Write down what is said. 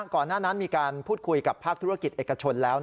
ก่อนหน้านั้นมีการพูดคุยกับภาคธุรกิจเอกชนแล้ว